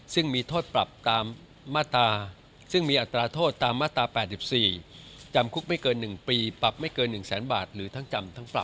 ซึ่งมีโทษปรับตามมาตราซึ่งมีอัตราโทษตามมาตรา๘๔จำคุกไม่เกิน๑ปีปรับไม่เกิน๑แสนบาทหรือทั้งจำทั้งปรับ